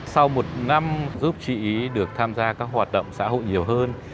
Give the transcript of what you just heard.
sau một năm giúp chị được tham gia các hoạt động xã hội nhiều hơn